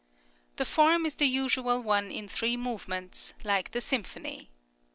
The form is the usual one in three movements, like the symphony.